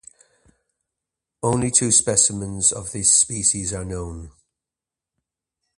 Only two specimens of this species are known.